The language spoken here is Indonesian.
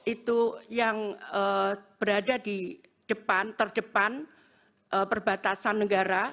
itu yang berada di depan terdepan perbatasan negara